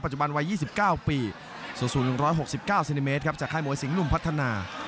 จุบันวัย๒๙ปีสูง๑๖๙เซนติเมตรครับจากค่ายมวยสิงหนุ่มพัฒนา